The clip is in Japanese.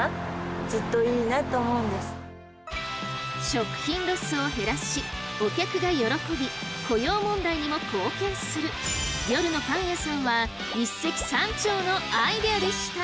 食品ロスを減らしお客が喜び雇用問題にも貢献する夜のパン屋さんは一石三鳥のアイデアでした！